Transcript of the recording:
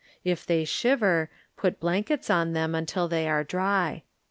If they shiver, put blankets . them until they are dry.